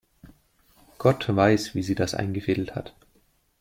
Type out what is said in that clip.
Gott weiß, wie sie das eingefädelt hat.